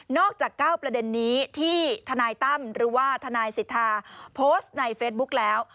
จาก๙ประเด็นนี้ที่ทนายตั้มหรือว่าทนายสิทธาโพสต์ในเฟซบุ๊กแล้ว